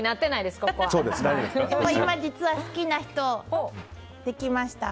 今実は好きな人、できました。